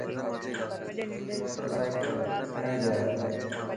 موٽر سائيڪل کڻي گيا.